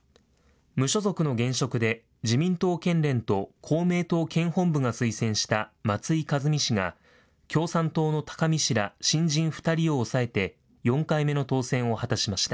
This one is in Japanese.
無所属の現職で自民党県連と公明党県本部が推薦した松井一実氏が共産党の高見氏ら新人２人を抑えて、４回目の当選を果たしました。